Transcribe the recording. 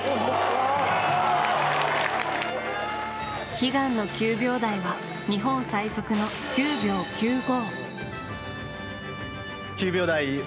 悲願の９秒台は、日本最速の９秒９５。